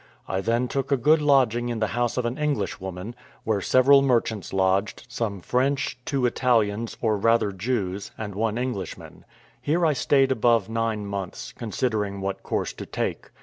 I then took a good lodging in the house of an Englishwoman, where several merchants lodged, some French, two Italians, or rather Jews, and one Englishman. Here I stayed above nine months, considering what course to take.